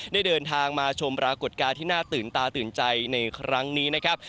ได้เดินทางมาชมปรากฏการณ์ที่น่าตื่นตาตื่นใจในครั้งนี้นะครับ